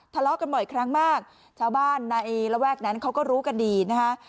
ทะเลาะกันบ่อยครั้งมากชาวบ้านในระแวกนั้นเขาก็รู้กันดีนะคะ